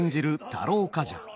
太郎冠者。